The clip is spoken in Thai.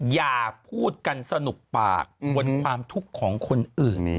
อย่าพูดกันสนุกปากบนความทุกข์ของคนอื่น